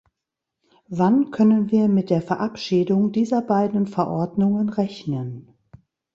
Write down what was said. Wann können wir mit der Verabschiedung dieser beiden Verordnungen rechnen?